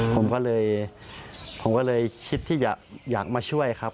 ผมก็เลยคิดที่อยากมาช่วยครับ